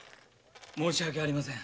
申し訳ありません。